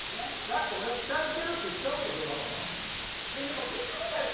だって俺は期待してるって言ったわけでしょ。